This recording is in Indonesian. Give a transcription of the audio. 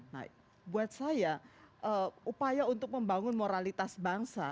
nah buat saya upaya untuk membangun moralitas bangsa